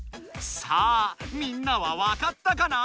さあみんなはわかったかな？